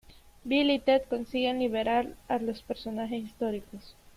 Bill y Ted consiguen liberar a los personajes históricos.